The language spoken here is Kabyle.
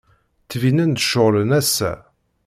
Ttbinen-d ceɣlen assa.